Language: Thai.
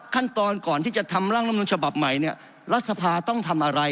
ขั้นตอนก่อนที่จะทำร่างรัฐมนุนฉบับใหม่เนี่ยรัฐสภาต้องทำอะไร